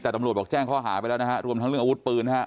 แต่ตำรวจบอกแจ้งข้อหาไปแล้วนะฮะรวมทั้งเรื่องอาวุธปืนนะฮะ